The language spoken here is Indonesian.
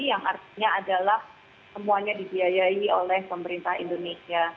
yang artinya adalah semuanya dibiayai oleh pemerintah indonesia